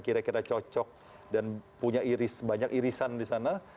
kira kira cocok dan punya banyak irisan di sana